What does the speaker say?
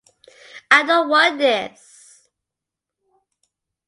I don’t want this.